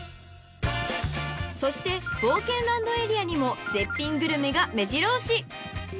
［そして冒険ランドエリアにも絶品グルメがめじろ押し］